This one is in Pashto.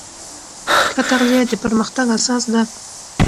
ښه تغذیه د پرمختګ اساس ده.